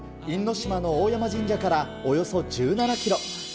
因島の大山神社からおよそ１７キロ。